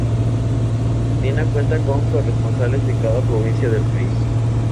Andina cuenta con corresponsales en cada provincia del país.